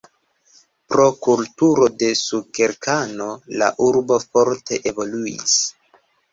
Pro kulturo de sukerkano la urbo forte evoluis.